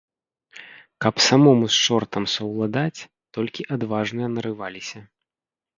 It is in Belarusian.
Каб самому з чортам саўладаць, толькі адважныя нарываліся.